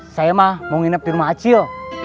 saya mah mau nginep di rumah acil